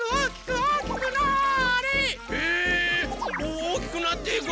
おおきくなっていく！